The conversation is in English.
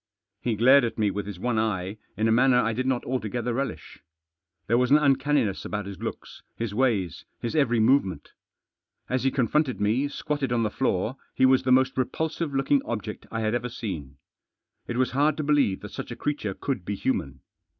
He glared at me with his one eye in a manner I did not altogether relish. There was an uncanniness. about his looks, his ways, his every movement. As he confronted me, squatted on the floor, he was the most repulsive looking object I had ever seen. It was hard to believe that such a creature could be human.